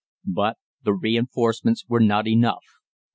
"But the reinforcements were not enough.